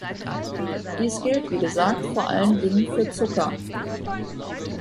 Dies gilt, wie gesagt, vor allen Dingen für Zucker.